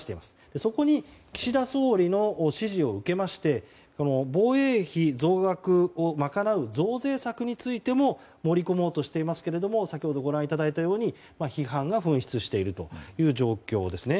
そこに岸田総理の指示を受けまして防衛費増額を賄う増税策についても盛り込もうとしていますが先ほどご覧いただいたように批判が噴出しているという状況ですね。